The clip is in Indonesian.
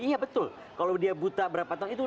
iya betul kalau dia buta berapa tahun itu